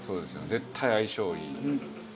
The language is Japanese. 絶対相性いい。